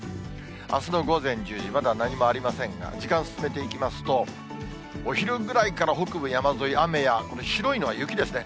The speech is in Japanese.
あすの午前１０時、まだ何もありませんが、時間進めていきますと、お昼ぐらいから北部山沿い、雨や、この白いのは雪ですね。